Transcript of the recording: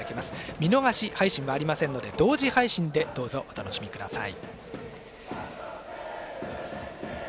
見逃し配信はありませんので同時配信でどうぞお楽しみください。